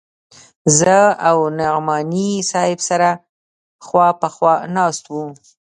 زه او نعماني صاحب سره خوا په خوا ناست وو.